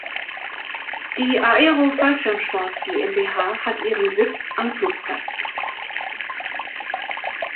Die "Aero Fallschirmsport GmbH" hat ihren Sitz am Flugplatz.